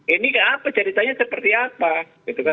ini apa ceritanya seperti apa